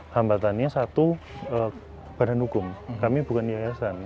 hambatannya satu badan hukum kami bukan yayasan